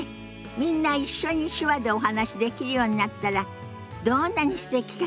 みんな一緒に手話でお話しできるようになったらどんなにすてきかしら。